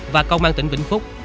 và công an tỉnh vĩnh phúc